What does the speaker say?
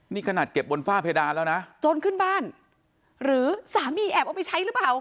นี่ขนาดเก็บบนฝ้าเพดานแล้วนะโจรขึ้นบ้านหรือสามีแอบเอาไปใช้หรือเปล่า